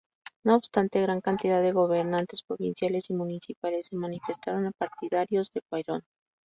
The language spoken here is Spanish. No obstante, gran cantidad de gobernantes provinciales y municipales se manifestaron partidarios de Perón.